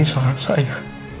ini salah saya